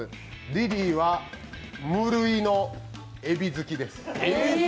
リリーは無類のエビ好きです。